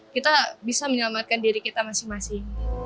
kita bisa menyelamatkan diri kita masing masing